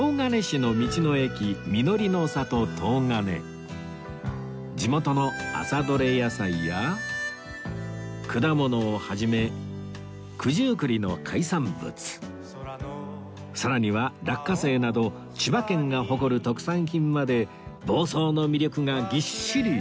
東金市の地元の朝どれ野菜や果物を始め九十九里の海産物さらには落花生など千葉県が誇る特産品まで房総の魅力がぎっしり詰まっています